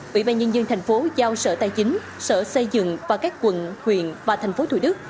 ủy ban nhân dân thành phố giao sở tài chính sở xây dựng và các quận huyện và thành phố thủ đức